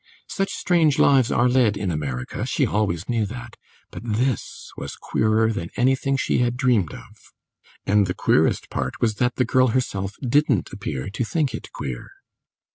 Such strange lives are led in America, she always knew that; but this was queerer than anything she had dreamed of, and the queerest part was that the girl herself didn't appear to think it queer.